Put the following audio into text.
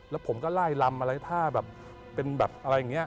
แล้วผมก็ไล่ลำอะไรถ้าแบบเป็นแบบอะไรอย่างนี้